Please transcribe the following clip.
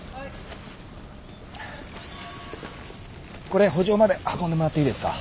これ圃場まで運んでもらっていいですか。